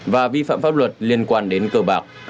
và vi phạm pháp luật liên quan đến cờ bạc